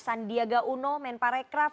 sandiaga uno men parekraf